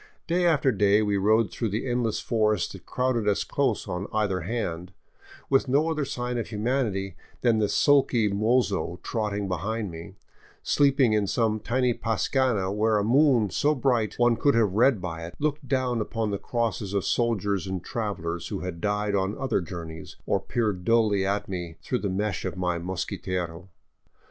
Day after day we rode through the endless forest that crowded us close on either hand, with no other sign of humanity than the sulky mozo trotting behind me, sleeping in some tiny pascana where a moon so bright one could have read by it looked down upon the crosses of soldiers and travelers who had died on other journeys, or peered dully in at me through the mesh of my mosquitero.